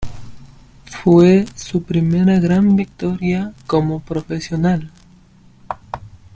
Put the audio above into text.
Fue su primera gran victoria como profesional.